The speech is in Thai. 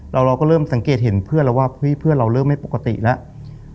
เราก็เริ่มสังเกตเห็นเพื่อนแล้วว่าเฮ้ยเพื่อนเราเริ่มไม่ปกติแล้ว